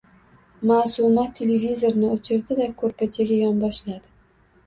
Maʼsuma televizorni oʼchirdi-da, koʼrpachaga yonboshladi.